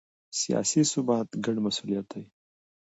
سیاسي ثبات ګډ مسوولیت دی